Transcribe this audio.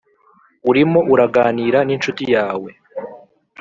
Urimo uraganira n incuti yawe